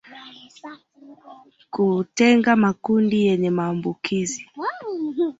Kutenga makundi yenye maambukizi